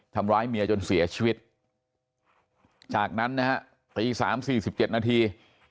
ทำร้ายเมียจนเสียชีวิตจากนั้นนะฮะตีสามสี่สิบเจ็ดนาที